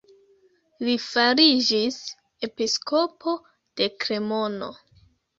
Li fariĝis episkopo de Kremono.